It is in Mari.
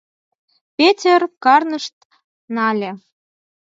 Петер карнышт нале.